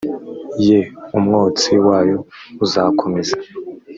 ye umwotsi wayo uzakomeza